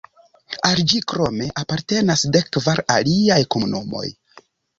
Al ĝi krome apartenas dek-kvar aliaj komunumoj.